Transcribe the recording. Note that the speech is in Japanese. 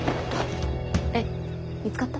えっ見つかった？